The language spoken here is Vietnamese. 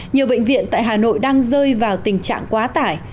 nhiều bệnh viện tại hà nội đang rơi vào tình trạng quá tải